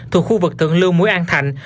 thuộc khu vực thượng lương mũi an thạnh